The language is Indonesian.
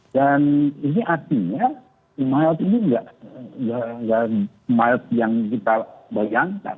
dan ini artinya mild ini tidak mild yang kita bayangkan